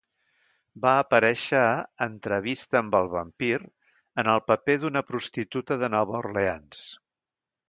Va aparèixer a "Entrevista amb el vampir" en el paper d'una prostituta de Nova Orleans.